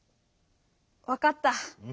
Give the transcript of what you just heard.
わかった。